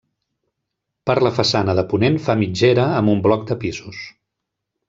Per la façana de ponent fa mitgera amb un bloc de pisos.